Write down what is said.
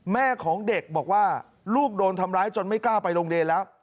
แม่ของเด็กบอกว่าลูกโดนทำร้ายจนไม่กล้าไปโรงเรียนแล้ว